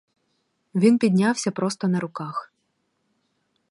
Він піднявся просто на руках.